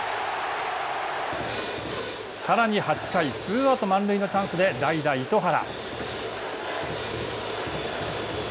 さらに８回ツーアウト、満塁のチャンスで代打、糸原。